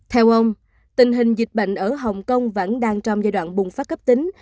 theo ông tình hình dịch bệnh ở hồng kông vẫn đang trong giai đoạn bùng phát cấp tính